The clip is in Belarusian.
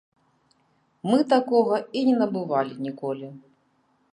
Мы такога і не набывалі ніколі!